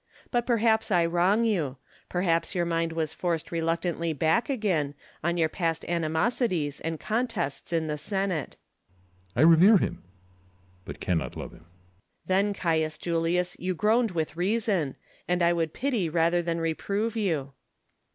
But perhaps I wrong you ; perhaps your mind was forced reluctantly back again, on your past animosities and contests in the Senate. CcBsar. I revere him, but cannot love him. Lttcullus. Then, Caius Julius, you groaned with reason; and I would pity rather than reprove you.